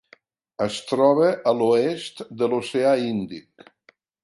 Es troba a l'oest de l'Oceà Índic: